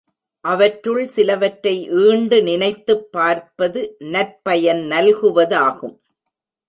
அவற்றுள் சிலவற்றை ஈண்டு நினைத்துப் பார்ப்பது நற்பயன் நல்குவதாகும்.